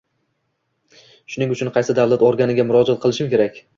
shuning uchun qaysi davlat organiga murojaat qilishim kerak?